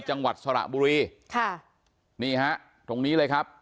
จังหวัดสระบุรีค่ะนี่ฮะตรงนี้เลยครับ